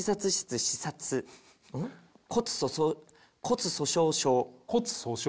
骨粗しょう症。